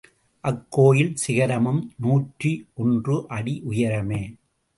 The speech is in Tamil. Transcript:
அக்கோயில் சிகரமும் நூற்றி ஒன்று அடி உயரமே.